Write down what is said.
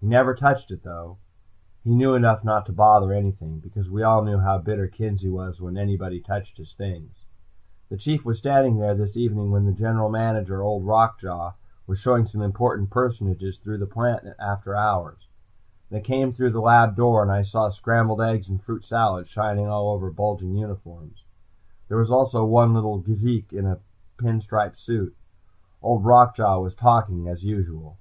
He never touched it, though. He knew enough not to bother anything, because we all knew how bitter Kenzie was when anybody touched his things. The Chief was standing there this evening when the General Manager, Old Rock Jaw, was showing some important personages through the plant after hours. They came through the lab door, and I saw scrambled eggs and fruit salad shining all over bulging uniforms. There was also one little geezik in a pin striped suit. Old Rock Jaw was talking, as usual.